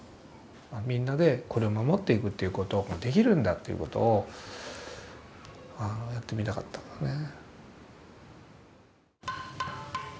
みんなでこれを守っていくということができるんだということをやってみたかったんだね。